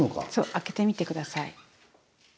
開けてみて下さい。